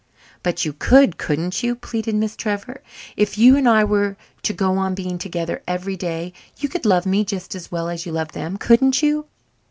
"But you could, couldn't you?" pleaded Miss Trevor. "If you and I were to go on being together every day, you could love me just as well as you love them, couldn't you?"